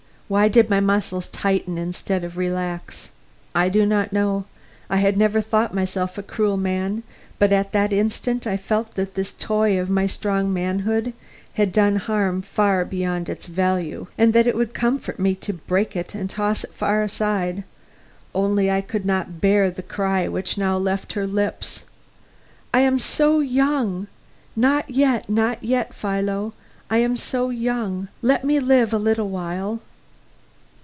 Why did my muscles tighten instead of relax? I do not know; I had never thought myself a cruel man, but at that instant I felt that this toy of my strong manhood had done harm far beyond its value, and that it would comfort me to break it and toss it far aside; only I could not bear the cry which now left her lips: "I am so young! not yet, not yet, Philo! I am so young! Let me live a little while."